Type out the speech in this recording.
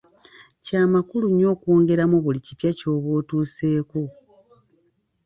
Kya makulu nnyo okwongerangamu buli kipya ky'oba otuseeko.